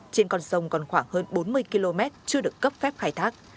trên con sông còn khoảng hơn bốn mươi km chưa được cấp phép khai thác